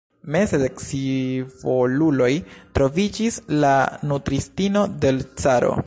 Meze de scivoluloj troviĝis la nutristino de l' caro.